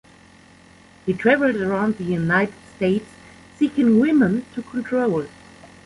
He traveled around the United States seeking women to control.